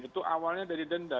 itu awalnya dari denda